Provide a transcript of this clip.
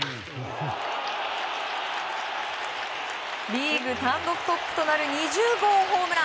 リーグ単独トップとなる２０号ホームラン！